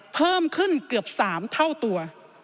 เพิ่มขึ้นเกือบ๓เท่าตัว